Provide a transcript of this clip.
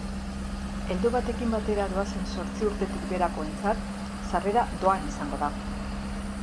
Heldu batekin batera doazen zortzi urtetik beherakoentzat, sarrera doan izango da.